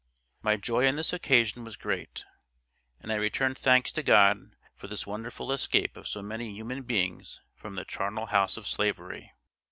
My joy on this occasion was great! and I returned thanks to God for this wonderful escape of so many human beings from the charnel house of Slavery.